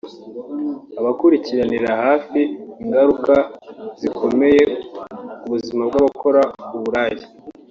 Abakurikiranira hafi ingaruka zikomeye ku buzima bw’abakora uburaya